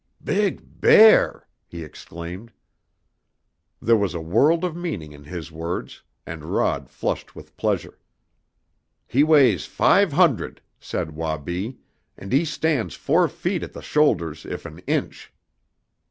"Big bear!" he exclaimed. There was a world of meaning in his words, and Rod flushed with pleasure. "He weighs five hundred," said Wabi, "and he stands four feet at the shoulders if an inch."